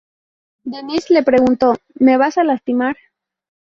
Dennis le preguntó: "¿Me vas a lastimar?